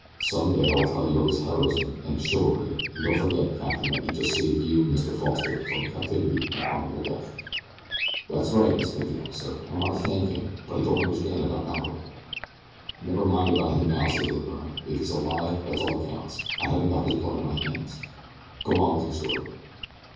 Some day I will tell you of his heroism and his chivalry, and don't forget, Captain, that he has just saved you and Mr. Foster from captivity and probable death." "That's right," exclaimed the officer, "and I want to thank him; but I don't understand about Mallory." "Never mind about him now," said Billy Byrne. "If he's alive that's all that counts I haven't got his blood on my hands. Go on with your story."